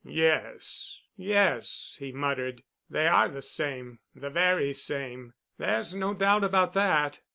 "Yes, yes," he muttered, "they are the same—the very same. There's no doubt about that."